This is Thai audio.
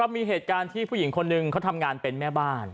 มีเหตุการณ์ที่ผู้หญิงคนหนึ่งเขาทำงานเป็นแม่บ้าน